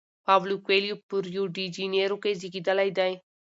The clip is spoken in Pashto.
پاولو کویلیو په ریو ډی جنیرو کې زیږیدلی دی.